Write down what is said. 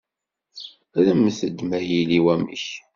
Rremt-d ma yili wamek.